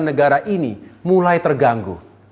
negara ini mulai terganggu